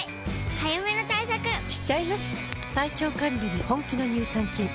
早めの対策しちゃいます。